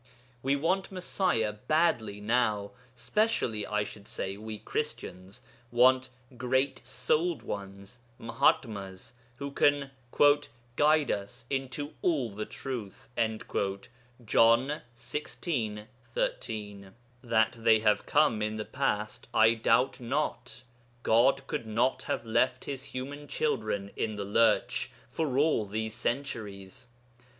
We want Messiah badly now; specially, I should say, we Christians want 'great souled ones' (Mahatmas), who can 'guide us into all the truth' (John xvi. 13). That they have come in the past, I doubt not. God could not have left his human children in the lurch for all these centuries.